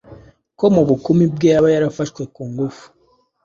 ko mu bukumi bwe yaba yarafashwe ku ngufu